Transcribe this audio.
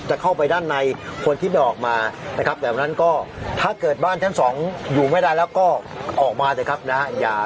จะเข้าไปด้านในคนที่ไม่ออกมานะครับแบบนั้นก็ถ้าเกิดบ้านชั้นสองอยู่ไม่ได้แล้วก็ออกมาเถอะครับนะฮะ